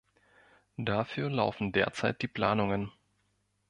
Dafür laufen derzeit die Planungen.